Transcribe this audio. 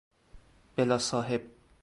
بلاصاحب